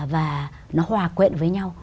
và nó hòa quẹn với nhau